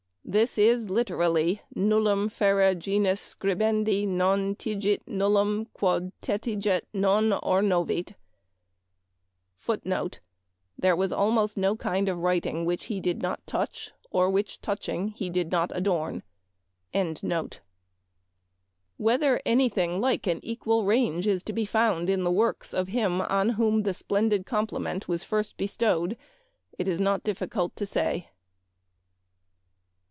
This is literally " nullum fere genus scribendi non tigit nullum quod tetiget non ornovit* Whether any thing *" There was almost no kind of writing which he did not touch, or which, touching, he did not adorn." 294 Memoir of Washington Irving. like an equal range is to be found in the works of him on whom the splendid compli ment was first bestowed it is not difficult to say."